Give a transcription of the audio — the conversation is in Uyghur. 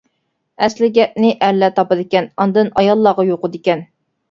ئەسلى گەپنى ئەرلەر تاپىدىكەن ئاندىن ئاياللارغا يۇقىدىكەن.